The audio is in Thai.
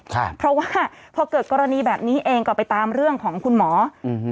ครับเพราะว่าพอเกิดกรณีแบบนี้เองก็ไปตามเรื่องของคุณหมออืม